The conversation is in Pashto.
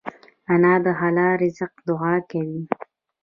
انا د حلال رزق دعا کوي